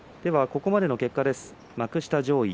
ここまでの結果です、幕下上位。